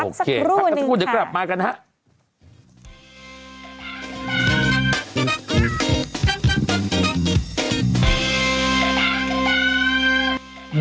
พักสักรูหนึ่งค่ะพักสักรูเดี๋ยวกลับมากันนะครับ